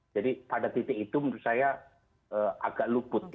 jadi pada titik itu menurut saya agak luput ya